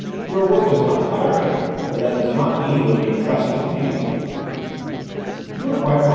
Your work is not tiring, but that does not mean it would be entrusted to anybody." "You are quite right, M.